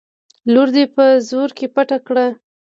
لور دې په زرو کې پټه کړه.